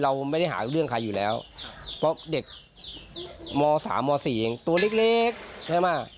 เราไม่ได้หาเรื่องใครอยู่แล้วเพราะเด็กม๓ม๔เองตัวเล็กใช่ไหม